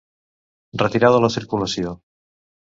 Retirar de la circulació.